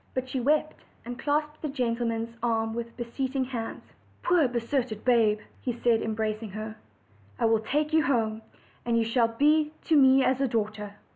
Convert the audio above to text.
But she wept, and clasped the gentleman's arm with beseeching hands. "Poor deserted babe!" he said, embracing her; "I will take you home, and you shall be to me as a daughter."